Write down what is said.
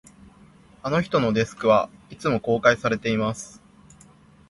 あの人のデスクは、いつも公開されています